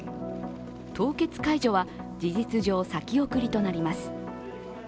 凍結解除は事実上、先送りとなります。